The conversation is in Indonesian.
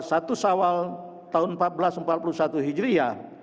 satu sawal tahun seribu empat ratus empat puluh satu hijriah